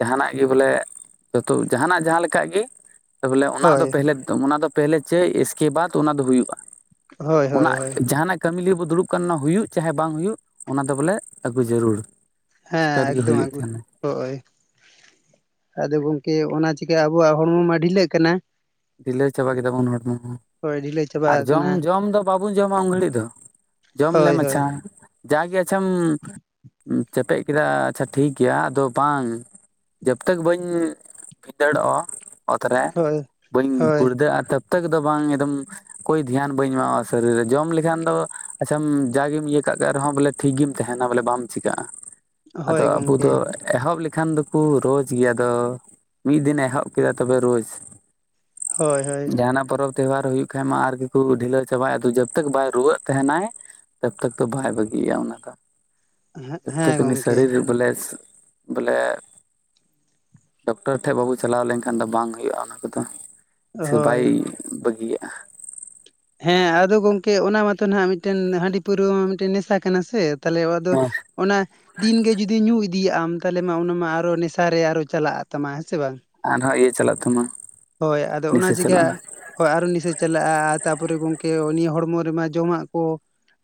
ᱡᱟᱦᱟᱱᱟᱜ ᱜᱮ ᱵᱚᱞᱮ ᱡᱚᱛᱚ ᱡᱟᱦᱟᱱᱟᱜ ᱡᱟᱦᱟᱸ ᱞᱮᱠᱟ ᱜᱮ, ᱛᱟᱵᱚᱞᱮ ᱚᱱᱟ ᱫᱚ ᱦᱳᱭ ᱯᱮᱦᱞᱮ ᱚᱱᱟ ᱫᱚ ᱯᱮᱦᱞᱮ ᱪᱟᱹᱭ ᱮᱥᱠᱮᱵᱟᱫᱽ ᱚᱱᱟ ᱫᱚ ᱦᱩᱭᱩᱜᱼᱟ, ᱦᱳᱭ ᱦᱳᱭ ᱚᱱᱟ ᱦᱳᱭ ᱡᱟᱦᱟᱸᱱᱟᱜ ᱠᱟᱹᱢᱤ ᱞᱟᱹᱜᱤᱫ ᱵᱚᱱ ᱫᱩᱲᱩᱵ ᱠᱟᱱ ᱦᱩᱭᱩᱜ ᱪᱟᱦᱮ ᱵᱟᱝ ᱦᱩᱭᱩᱜ ᱚᱱᱟ ᱫᱚ ᱵᱚᱞᱮ ᱟᱹᱜᱩ ᱡᱟᱹᱨᱩᱲ ᱦᱮᱸ ᱮᱥᱠᱟᱨ ᱜᱮ ᱮᱠᱫᱚᱢ ᱦᱩᱭᱩᱜ ᱟᱜᱩᱭ ᱛᱟᱦᱮᱱᱟ ᱦᱳᱭ ᱟᱫᱚ ᱜᱚᱝᱠᱮ ᱚᱱᱟ ᱪᱤᱠᱟᱹ ᱟᱵᱚᱣᱟᱜ ᱦᱚᱲᱢᱚ ᱢᱟ ᱰᱷᱤᱞᱟᱹᱜ ᱠᱟᱱᱟ ᱰᱤᱞᱟᱹᱣ ᱪᱟᱵᱟ ᱠᱮᱫᱟ ᱵᱚᱱ ᱦᱚᱲᱢᱚ ᱦᱚᱸ ᱦᱚᱭ ᱰᱷᱤᱞᱟᱹ ᱪᱟᱵᱟ ᱟᱨ ᱡᱚᱢ ᱟᱠᱟᱱᱟ ᱡᱚᱢ ᱫᱚ ᱵᱟᱵᱚᱱ ᱡᱚᱢᱟ ᱩᱱ ᱜᱷᱟᱹᱲᱤᱡ ᱫᱚ ᱡᱚᱢ ᱞᱮ ᱦᱳᱭ ᱦᱳᱭ ᱢᱟᱪᱷᱟ, ᱡᱟᱜᱮ ᱟᱪᱷᱟᱢ, ᱪᱮᱯᱮᱡ ᱠᱮᱫᱟ ᱟᱪᱪᱷᱟ ᱴᱷᱤᱠ ᱜᱮᱭᱟ ᱟᱫᱚ ᱵᱟᱝ ᱡᱚᱵᱛᱚᱠ ᱵᱟᱹᱧ, ᱵᱷᱤᱫᱟᱹᱲᱚᱜᱼᱟ ᱚᱛ ᱨᱮ ᱦᱳᱭ ᱵᱟᱹᱧ ᱦᱳᱭ ᱜᱩᱲᱫᱟᱹᱜᱼᱟ ᱛᱚᱠᱛᱟᱠ ᱫᱚ ᱵᱟᱝ ᱮᱠᱫᱚᱢ, ᱠᱳᱭ ᱫᱷᱮᱭᱟᱱ ᱵᱟᱹᱧ ᱮᱢᱟᱜᱼᱟ ᱥᱚᱨᱤᱨ ᱨᱮ ᱡᱚᱢ ᱞᱮᱠᱷᱟᱱ ᱫᱚ ᱟᱪᱪᱷᱟ ᱡᱟᱜᱮᱢ ᱤᱭᱟᱹ ᱠᱟᱜ ᱠᱟᱜ ᱨᱮᱦᱚᱸ ᱵᱚᱞᱮ ᱴᱷᱤᱠ ᱜᱮᱢ ᱛᱟᱦᱮᱱᱟ ᱵᱚᱞᱮ ᱵᱟᱢ ᱪᱤᱠᱟᱹᱜᱼᱟ, ᱦᱳᱭ ᱟᱫᱚ ᱟᱵᱚ ᱜᱚᱝᱠᱮ ᱫᱚ ᱮᱦᱚᱵ ᱞᱮᱠᱷᱟᱱ ᱫᱚᱠᱚ ᱨᱳᱡ ᱜᱮ ᱟᱫᱚ ᱢᱤᱫ ᱫᱤᱱᱮ ᱮᱦᱚᱵ ᱠᱮᱫᱟ ᱛᱚᱵᱮ ᱨᱳᱡ᱾ ᱦᱳᱭ ᱦᱳᱭ ᱡᱟᱦᱟᱱᱟᱜ ᱯᱚᱨᱚᱵᱽ ᱛᱮᱣᱦᱟᱨ ᱦᱩᱭᱩᱜ ᱠᱷᱟᱡ ᱢᱟ ᱟᱨᱜᱤ ᱠᱚ ᱰᱷᱤᱞᱟᱹᱣ ᱪᱟᱵᱟᱭ ᱟᱫᱚ ᱡᱟᱵᱛᱟᱠ ᱵᱟᱭ ᱨᱩᱣᱟᱹᱜ ᱛᱟᱦᱮᱱᱟᱭ᱾ ᱛᱟᱵᱛᱟᱠ ᱫᱚ ᱫᱚ ᱵᱟᱭ ᱵᱟᱹᱜᱤᱭᱟ ᱚᱱᱟ ᱫᱚ ᱦᱮᱸ ᱛᱟᱯᱛᱟᱠ ᱩᱱᱤ ᱜᱚᱝᱠᱮ ᱥᱚᱨᱤᱨ ᱨᱮ ᱵᱚᱞᱮ ᱵᱚᱞᱮ ᱰᱚᱠᱴᱚᱨ ᱴᱷᱮᱡ ᱵᱟᱵᱚ ᱪᱟᱞᱟᱣ ᱞᱮᱱᱠᱷᱟᱱ ᱫᱚ ᱵᱟᱝ ᱦᱩᱭᱩᱜᱼᱟ ᱚᱱᱟ ᱠᱚᱫᱚ᱾ ᱥᱮ ᱦᱳᱭ ᱵᱟᱭ ᱵᱟᱹᱜᱤᱭᱟ᱾ ᱦᱮᱸ ᱟᱫᱚ ᱜᱚᱝᱠᱮ ᱚᱱᱟ ᱢᱟᱛᱚ ᱱᱟᱦᱟᱜ ᱢᱤᱫ ‌ᱴᱮᱱ ᱦᱟᱺᱰᱤ ᱯᱟᱹᱣᱨᱟᱹ ᱢᱟ ᱢᱤᱫ ᱴᱮᱱ ᱱᱮᱥᱟ ᱠᱟᱱᱟ ᱥᱮ᱾ ᱛᱟᱞᱮᱣ ᱟᱫᱚ ᱦᱮᱸ ᱚᱱᱟ ᱫᱤᱱᱜᱮ ᱡᱩᱫᱤ ᱧᱩ ᱤᱫᱤᱭᱟᱜᱼᱟᱢ ᱛᱟᱦᱞᱮ ᱢᱟ ᱚᱱᱟᱢᱟ ᱟᱨᱚ ᱱᱮᱥᱟᱨ ᱨᱮ ᱟᱨᱚ ᱪᱟᱞᱟᱜ ᱛᱟᱢᱟ ᱦᱮᱸ ᱥᱮ ᱵᱟᱝ᱾ ᱟᱨᱦᱚᱸ ᱤᱭᱟᱹ ᱪᱟᱞᱟᱜ ᱛᱟᱢᱟ᱾ ᱦᱳᱭ ᱟᱫᱚ ᱚᱱᱟ ᱱᱤᱥᱟᱹ ᱪᱟᱞᱟᱜᱼᱟ ᱪᱤᱠᱟ ᱦᱚᱭ ᱟᱨ ᱱᱤᱥᱮ ᱪᱟᱞᱟᱜᱼᱟ, ᱛᱟᱨᱯᱚᱨᱮ ᱜᱚᱝᱠᱮ ᱱᱤᱭᱟᱹ ᱦᱚᱲᱢᱚ ᱨᱮᱢᱟ ᱡᱚᱢᱟᱜ ᱠᱚ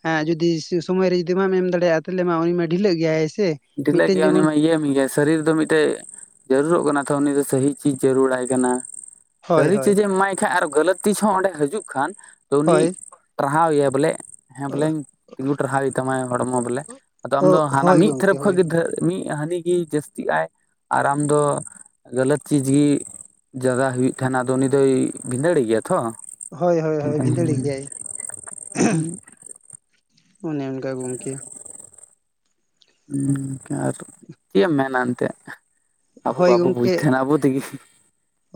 ᱦᱮᱸ ᱡᱩᱫᱤ ᱥᱚᱢᱚᱭ ᱨᱮ ᱡᱩᱫᱤ ᱵᱟᱢ ᱮᱢ ᱫᱟᱲᱮᱭᱟᱜᱼᱟ, ᱛᱟᱦᱞᱮ ᱢᱟ ᱩᱱᱤ ᱢᱟ ᱰᱷᱤᱞᱟᱹᱜ ᱜᱮᱭᱟᱭ ᱥᱮ᱾ ᱰᱷᱤᱞᱟᱹᱜ ᱢᱤᱫᱴᱮᱱ ᱜᱮᱭᱟ ᱩᱱᱤ ᱡᱮᱢᱚᱱ ᱢᱟ ᱤᱭᱟᱹᱮ ᱢᱮ ᱜᱮᱥ ᱥᱟᱨᱤᱨ ᱫᱚ ᱢᱤᱫ ᱴᱮᱜ ᱡᱟᱹᱨᱩᱲᱚᱜ ᱠᱟᱱᱟ ᱛᱚ ᱩᱱᱤ ᱫᱚ ᱥᱟᱹᱦᱤ ᱪᱤᱡ ᱡᱟᱹᱨᱩᱲᱟᱭ ᱠᱟᱱᱟ᱾ ᱦᱳᱭ ᱥᱟᱹᱨᱤ ᱦᱳᱭ ᱪᱤᱡᱮ ᱮᱢᱟᱭ ᱠᱷᱟᱡ ᱟᱨ ᱜᱟᱹᱞᱟᱹᱛ ᱛᱤᱡ ᱦᱚᱸ ᱚᱸᱰᱮ ᱦᱤᱡᱩᱜ ᱠᱷᱟᱱ ᱛᱚ ᱩᱱᱤ ᱦᱳᱭ ᱴᱟᱨᱦᱟᱣ ᱮᱭᱟ ᱵᱚᱞᱮ, ᱦᱮᱸ ᱵᱚᱞᱮᱧ ᱛᱤᱸᱜᱩ ᱴᱟᱨᱦᱟᱣᱮ ᱛᱟᱢᱟ ᱦᱚᱲᱢᱚ ᱵᱚᱞᱮ ᱟᱫᱚ ᱟᱢ ᱫᱚ ᱦᱟᱱᱟ ᱦᱳᱭ ᱢᱤᱜ ᱜᱚᱝᱠᱮ ᱦᱳᱭ ᱠᱷᱟᱜ ᱜᱮ ᱫᱷᱟᱹ ᱢᱤᱜ ᱦᱟᱹᱱᱤ ᱜᱮ ᱡᱟᱹᱥᱛᱤᱜᱼᱟᱭ, ᱟᱨ ᱟᱢ ᱫᱚ ᱜᱟᱹᱞᱟᱹᱛ ᱪᱤᱡᱽ ᱜᱮ ᱡᱟᱫᱟ ᱦᱩᱭᱩᱜ ᱛᱟᱦᱮᱱᱟ ᱟᱫᱚ ᱩᱱᱤ ᱫᱚᱭ ᱵᱷᱤᱸᱫᱟᱹᱲᱮ ᱜᱮᱭᱟ ᱛᱚ᱾ ᱦᱳᱭ ᱦᱳᱭ ᱦᱳᱭ ᱵᱷᱤᱸᱰᱟᱹᱲ ᱜᱮᱭᱟᱭ᱾ ᱚᱱᱮ ᱚᱱᱠᱟ ᱜᱚᱝᱠᱮ᱾ ᱩᱸ ᱟᱨ ᱪᱮᱜ ᱮᱢ ᱢᱮᱱᱟ ᱮᱱᱛᱮᱜ ᱟᱵᱚ ᱦᱳᱭ ᱵᱟᱵᱚ ᱵᱩᱡ ᱜᱚᱝᱠᱮ ᱛᱟᱦᱮᱱᱟ ᱟᱵᱚ ᱛᱮᱜᱮ᱾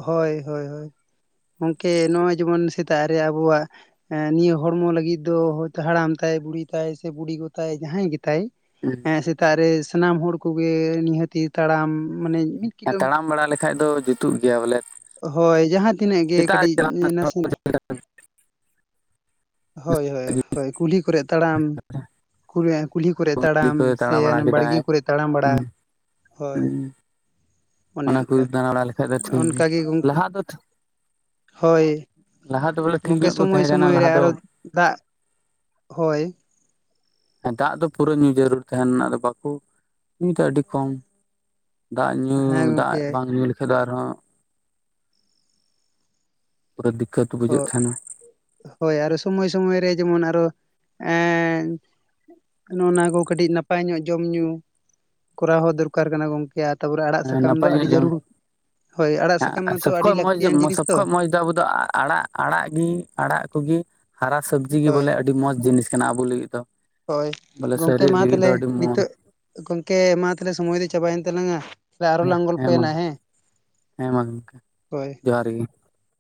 ᱦᱳᱭ ᱦᱳᱭ ᱦᱳᱭ ᱜᱚᱝᱠᱮ ᱱᱚᱜᱼᱚᱭ ᱡᱮᱢᱚᱱ ᱥᱮᱛᱟᱜ ᱨᱮ ᱟᱵᱚᱣᱟᱜ ᱮᱸ ᱱᱤᱭᱟᱹ ᱦᱚᱲᱢᱚ ᱞᱟᱹᱜᱤᱫ ᱫᱚ ᱦᱚᱛᱳ ᱦᱟᱲᱟᱢ ᱛᱟᱭ, ᱵᱩᱲᱦᱤ ᱛᱟᱭ, ᱥᱮ ᱵᱩᱲᱦᱤ ᱜᱚ ᱛᱟᱭ, ᱡᱟᱦᱟᱸᱭ ᱜᱮᱛᱟᱭ᱾ ᱦᱮᱸ ᱥᱮᱛᱟᱜ ᱨᱮ ᱥᱟᱱᱟᱢ ᱦᱚᱲ ᱠᱚᱜᱮ ᱱᱤᱦᱟᱹᱛᱤ ᱛᱟᱲᱟᱢ ᱢᱟᱱᱮ ᱦᱮᱸ ᱠᱤᱞᱳ ᱛᱟᱲᱟᱢ ᱵᱟᱲᱟ ᱞᱮᱠᱷᱟᱡ ᱫᱚ ᱡᱩᱛᱩᱜ ᱜᱮᱭᱟ ᱵᱚᱞᱮ᱾ ᱦᱳᱭ ᱡᱟᱦᱟᱸ ᱛᱤᱱᱟᱹᱜ ᱜᱮ ᱥᱮᱛᱟᱜ ᱠᱟᱹᱴᱤᱡ ᱨᱮ ᱪᱟᱞᱟᱣ ᱱᱟᱥᱮ ᱦᱳᱭ ᱦᱳᱭ ᱦᱳᱭ ᱠᱩᱞᱦᱤ ᱠᱚᱨᱮᱜ ᱛᱟᱲᱟᱢ᱾ ᱠᱩᱮᱸ ᱠᱩᱞᱦᱤ ᱠᱚᱨᱮ ᱛᱟᱲᱟᱢ ᱠᱚ ᱥᱮ ᱛᱟᱲᱟ ᱵᱟᱲᱟ ᱵᱟᱲᱜᱮ ᱠᱚᱨᱮ ᱛᱟᱲᱟᱢ ᱵᱟᱲᱟ᱾ ᱦᱳᱭ ᱩᱸ ᱚᱱᱟ ᱠᱚ ᱫᱟᱬᱟ ᱵᱟᱲᱟ ᱞᱮᱠᱷᱟᱡ ᱫᱚ ᱴᱷᱤᱠ᱾ ᱜᱮ ᱠᱟ ᱜᱤ ᱜᱚᱝᱠᱮ ᱞᱟᱦᱟ ᱫᱚ ᱦᱳᱭ᱾ ᱞᱟᱦᱟ ᱫᱚ ᱵᱚᱞᱮ ᱴᱷᱤᱠ ᱜᱚᱝᱠᱮ ᱧᱚᱜ ᱠᱚ ᱥᱚᱢᱚᱭ ᱛᱟᱦᱮᱸ ᱠᱟᱱᱟ ᱥᱚᱢᱚᱭ ᱨᱮ ᱞᱟᱦᱟ ᱫᱚ ᱟᱨᱚ ᱫᱟᱜ ᱦᱚᱭ ᱦᱮᱸ ᱫᱟᱜ ᱫᱚ ᱯᱩᱨᱟᱹ ᱧᱩ ᱡᱟᱹᱨᱩᱲ ᱛᱟᱦᱮᱱᱟ ᱟᱫᱚ ᱵᱟᱠᱚ ᱧᱩᱭᱫᱟ, ᱟᱹᱰᱤ ᱠᱚᱢ᱾ ᱫᱟᱜ ᱧᱩ ᱦᱮᱸ ᱫᱟᱜ ᱜᱚᱝᱠᱮ ᱵᱟᱝ ᱧᱩ ᱞᱮᱠᱷᱟᱡ ᱫᱚ ᱟᱨᱦᱚᱸ ᱯᱩᱨᱟᱹ ᱫᱤᱠᱠᱟᱹᱛ ᱦᱳ ᱵᱩᱡᱷᱟᱹᱜ ᱛᱟᱦᱮᱱᱟ᱾ ᱦᱳᱭ ᱟᱨᱚ ᱥᱚᱢᱚᱭ ᱥᱚᱢᱚᱭ ᱨᱮ ᱡᱮᱢᱚᱱ ᱟᱨᱚ ᱮᱸ ᱱᱚᱜᱼᱱᱟ ᱠᱚ ᱠᱟᱹᱴᱤᱡ ᱱᱟᱯᱟᱭ ᱧᱚᱜ ᱡᱚᱢ ᱧᱩ ᱠᱚᱨᱟᱣ ᱦᱚᱸ ᱫᱚᱨᱠᱟᱨ ᱠᱟᱱᱟ ᱜᱚᱝᱠᱮ᱾ ᱜᱮᱭᱟᱨ ᱛᱟᱯᱚᱨᱮ ᱟᱲᱟᱜ ᱥᱟᱠᱟᱢ ᱫᱚ ᱱᱟᱯᱟᱭ ᱟᱹᱰᱤ ᱧᱚᱜ ᱡᱚᱢ ᱡᱟᱹᱨᱩᱲ᱾ ᱦᱳᱭ ᱟᱲᱟᱜ [unintelligible] ᱥᱟᱠᱟᱢ ᱢᱟᱛᱚ ᱟᱹᱰᱤ ᱞᱟᱹᱠᱛᱤᱭᱟᱱ ᱡᱤᱱᱤᱥ ᱛᱚ ᱫᱚ ᱟᱲᱟᱜ ᱟᱲᱟᱜ ᱜᱤ ᱟᱲᱟᱜ ᱠᱚᱜᱤ ᱦᱟᱨᱟ ᱥᱚᱵᱽᱡᱤ ᱦᱟᱨᱟ ᱥᱟᱵᱽᱡᱤ ᱜᱮ ᱦᱳᱭ ᱵᱚᱞᱮ ᱟᱹᱰᱤ ᱢᱚᱸᱡᱽ ᱡᱤᱱᱤᱥ ᱠᱟᱱᱟ ᱟᱵᱚ ᱞᱟᱹᱜᱤᱫ ᱫᱚ᱾ ᱦᱳᱭ ᱵᱚᱞᱮ ᱜᱚᱝᱠᱮ ᱥᱚᱨᱤᱨ ᱢᱟ ᱞᱟᱹᱜᱤᱫ ᱫᱚ ᱛᱟᱦᱞᱮ ᱟᱹᱰᱤ ᱢᱚᱸᱡᱽ ᱱᱤᱛᱚᱜ ᱜᱚᱝᱠᱮ ᱢᱟ ᱛᱟᱦᱞᱮ ᱥᱚᱢᱚᱭ ᱫᱚ ᱪᱟᱵᱟᱭᱮᱱ ᱛᱟᱞᱟᱝᱟ᱾ ᱥᱮ ᱟᱨᱚ ᱞᱟᱝ ᱜᱚᱞᱯᱚᱭᱟ ᱱᱟᱜ ᱦᱮᱸ ᱦᱮᱸ ᱢᱟ ᱜᱚᱢᱠᱮ ᱦᱳᱭ᱾ ᱡᱚᱦᱟᱨ ᱜᱮ